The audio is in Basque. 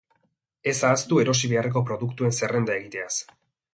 Ez ahaztu erosi beharreko produktuen zerrenda egitez.